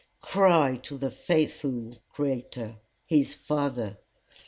Cry to the faithful creator, his Father.